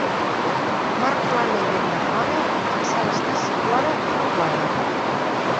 Mar plana i vent de fora, el cel està si plora o no plora.